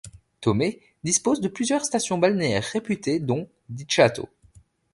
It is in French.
Tomé dispose de plusieurs stations balnéaires réputées dont Dichato.